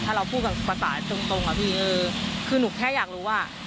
ถ้าเราพูดกับประสาทตรงคือหนูแค่อยากรู้ว่า